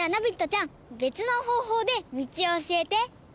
ちゃんべつのほうほうでみちをおしえて！